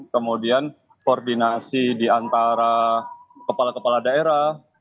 kemudian koordinasi diantara kepala kepala daerah